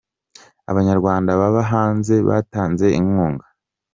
Abanyarwanda baba hanze batanze inkunga